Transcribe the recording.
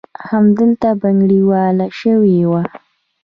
همدلته بنګړیواله شوې وه.